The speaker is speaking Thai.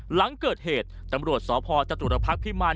หลังเกิดเหตุตำรวจสพจตุรพักษ์พิมาร